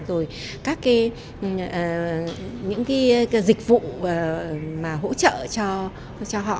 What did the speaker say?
rồi các cái những cái dịch vụ mà hỗ trợ cho họ